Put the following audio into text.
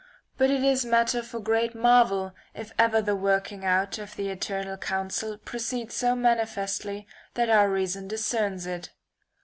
But it is matter for great marvel if ever the working out of the eternal counsel proceeds so manifestly that [lo] our reason discerns it.